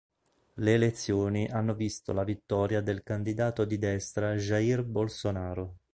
Le elezioni hanno visto la vittoria del candidato di destra Jair Bolsonaro.